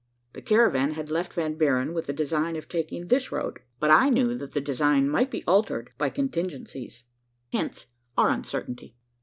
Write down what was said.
The caravan had left Van Buren with the design of taking this road; but I knew that the design might be altered by contingencies hence our uncertainty.